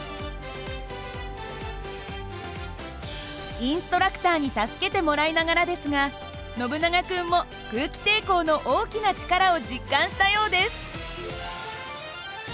インストラクターに助けてもらいながらですがノブナガ君も空気抵抗の大きな力を実感したようです。